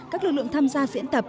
các lực lượng tham gia diễn tập